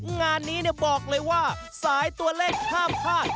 งานนี้บอกเลยว่าสายตัวเลขห้ามพลาด